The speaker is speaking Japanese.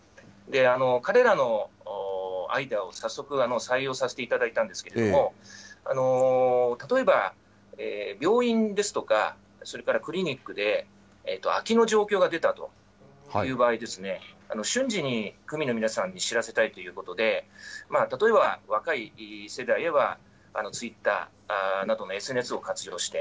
彼らのアイデアを早速、採用させていただいたんですけれども、例えば病院ですとか、それからクリニックで空きの状況が出たという場合ですね、瞬時に区民の皆さんに知らせたいということで、例えば若い世代へはツイッターなどのＳＮＳを活用して。